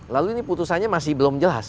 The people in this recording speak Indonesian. lalu ini putusannya masih belum jelas